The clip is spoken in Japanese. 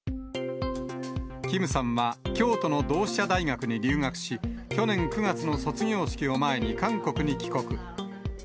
キムさんは京都の同志社大学に留学し、去年９月の卒業式を前に韓国に帰国。